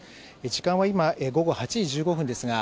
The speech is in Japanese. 時間は今、午後８時１５分ですが